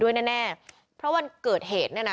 ลูกนั่นแหละที่เป็นคนผิดที่ทำแบบนี้